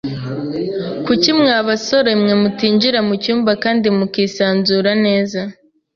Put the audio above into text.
Kuki mwa basore mwe mutinjira mucyumba kandi mukisanzura neza?